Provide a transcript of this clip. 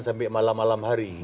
sampai malam malam hari